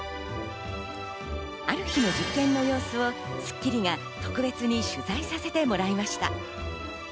ある日の実験の様子を『スッキリ』が特別に取材させてもらいました。